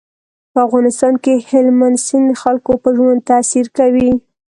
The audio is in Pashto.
په افغانستان کې هلمند سیند د خلکو په ژوند تاثیر کوي.